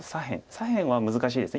左辺は難しいです。